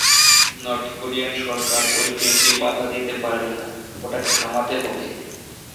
North Korean সরকার ঐ ট্রেনকে বাঁধা দিতে পারবে না, ওটাকে থামাতে হবে।